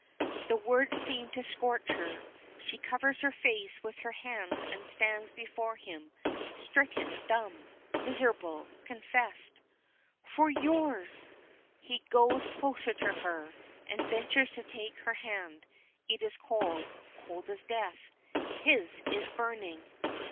The words seem to scorch her. She covers her face with her hands and stands before him, stricken dumb, miserable confessed. "For yours!" He goes closer to her, and ventures to take her hand. It is cold cold as death. His is burning.